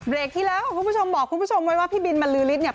เบรกที่แล้วคุณผู้ชมบอกคุณผู้ชมไว้ว่าพี่บินมันลื้อลิ้ดเนี่ย